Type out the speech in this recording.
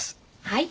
はい。